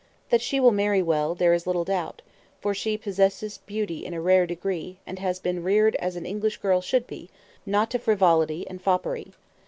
That she will marry well, there is little doubt, for she possesses beauty in a rare degree, and has been reared as an English girl should be, not to frivolity and foppery.